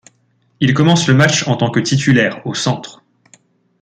Il commence le match en tant que titulaire au centre.